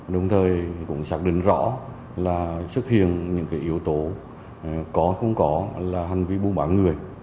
đồng thời cũng xác định rõ là xuất hiện những yếu tố có không có là hành vi buôn bán người